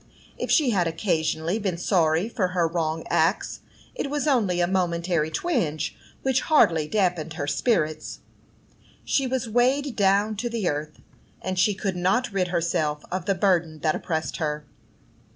If she had occasionally been sorry for her wrong acts, it was only a momentary twinge, which hardly damped her spirits. She was weighed down to the earth, and she could not rid herself of the burden that oppressed her.